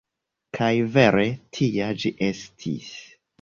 Kaj vere tia ĝi estis.